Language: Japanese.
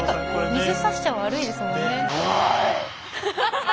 水さしちゃ悪いですよね。